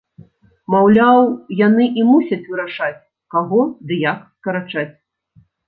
Маўляў, яны і мусяць вырашаць, каго ды як скарачаць.